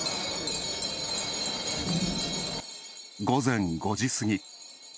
午前５時過ぎ。